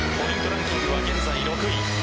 ランキングは現在６位。